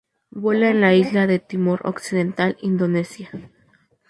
Vuela en la isla de Timor occidental, Indonesia.